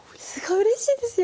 うれしいですよ。